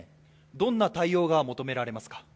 どんな対応が求められますか？